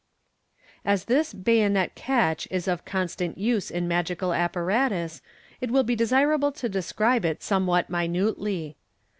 As this " bayonet catch " is of constant use in magical apparatus, it will be desirable to describe it somewhat minutely.